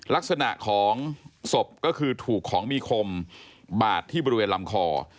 ลักษณะของศพก็คือถูกของมีคมบาดที่บริเวณลำคอ